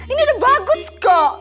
ini udah bagus kok